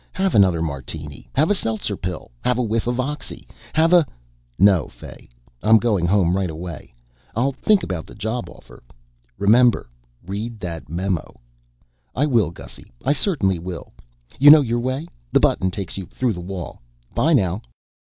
Have another martini. Have a seltzer pill. Have a whiff of oxy. Have a " "No, Fay, I'm going home right away. I'll think about the job offer. Remember to read that memo." "I will, Gussy, I certainly will. You know your way? The button takes you through the wall. 'By, now."